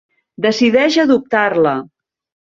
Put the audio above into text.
Decideix adoptar-la.